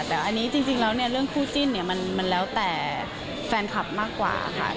แต่อันนี้จริงแล้วเนี่ยเรื่องคู่จิ้นเนี่ยมันแล้วแต่แฟนคลับมากกว่าค่ะ